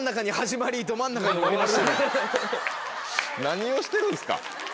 何をしてるんですか？